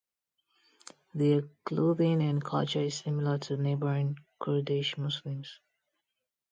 Their clothing and culture is similar to neighbouring Kurdish Muslims.